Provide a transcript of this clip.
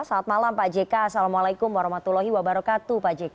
selamat malam pak jk assalamualaikum warahmatullahi wabarakatuh pak jk